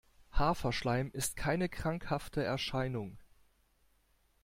Haferschleim ist keine krankhafte Erscheinung.